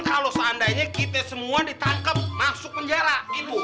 kalau seandainya kita semua ditangkep masuk penjara gitu